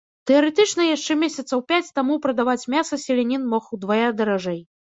Тэарэтычна яшчэ месяцаў пяць таму прадаць мяса селянін мог удвая даражэй.